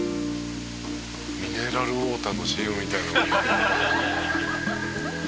「ミネラルウォーターのＣＭみたい」